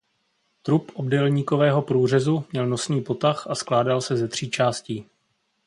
Trup obdélníkového průřezu měl nosný potah a skládal se ze tří částí.